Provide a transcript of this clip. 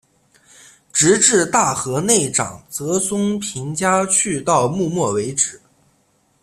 直至大河内长泽松平家去到幕末为止。